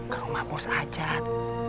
ke rumah bos ajat